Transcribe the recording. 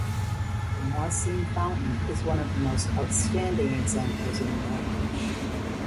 The Mouassine Fountain is one of the most outstanding examples in Marrakech.